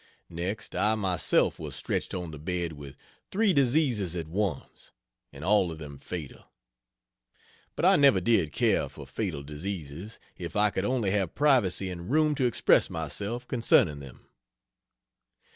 Next, I myself was stretched on the bed with three diseases at once, and all of them fatal. But I never did care for fatal diseases if I could only have privacy and room to express myself concerning them.